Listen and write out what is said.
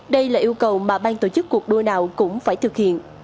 đây là yêu cầu mà bang tổ chức cuộc đua nào cũng phải thực hiện